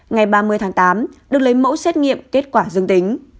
ngày ba mươi tháng tám được lấy mẫu xét nghiệm kết quả dương tính